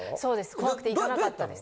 怖くて行かなかったです。